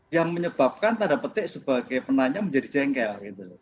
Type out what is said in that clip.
yang menyebabkan tanda petik sebagai penanya menjadi jengkel